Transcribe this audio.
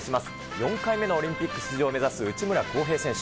４回目のオリンピック出場を目指す内村航平選手。